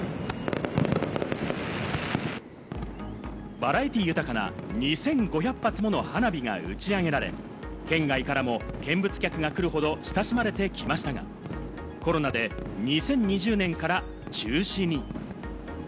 バラエティー豊かな２５００発もの花火が打ち上げられ、県外からも見物客が来るほど親しまれてきましたが、コロナで２０２０年から中止に。